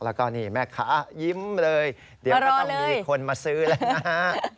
แล้วก็นี่แม่ค้ายิ้มเลยเดี๋ยวก็ต้องมีคนมาซื้อแล้วนะฮะ